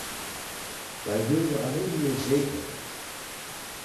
Wij wilden alleen meer zekerheid.